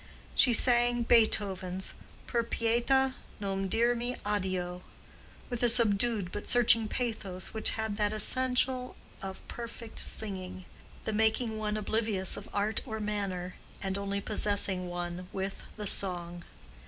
She sang Beethoven's "Per pietà non dirmi addio" with a subdued but searching pathos which had that essential of perfect singing, the making one oblivious of art or manner, and only possessing one with the song.